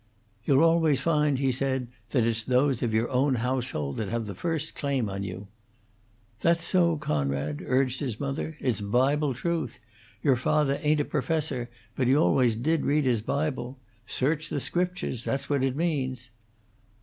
"You'll always find," he said, "that it's those of your own household that have the first claim on you." "That's so, Coonrod," urged his mother. "It's Bible truth. Your fawther ain't a perfesser, but he always did read his Bible. Search the Scriptures. That's what it means."